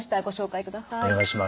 ご紹介ください。